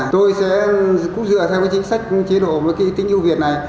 tôi sẽ cũng dựa theo cái chính sách chế độ với cái tính ưu việt này